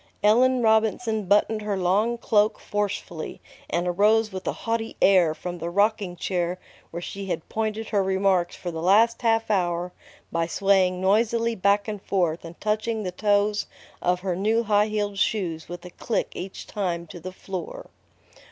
Ellen Robinson buttoned her long cloak forcefully, and arose with a haughty air from the rocking chair where she had pointed her remarks for the last half hour by swaying noisily back and forth and touching the toes of her new high heeled shoes with a click each time to the floor.